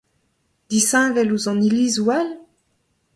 Disheñvel ouzh an ilizoù all ?…